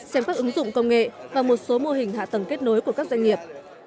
xem các ứng dụng công nghệ và một số mô hình hạ tầng kết nối của các doanh nghiệp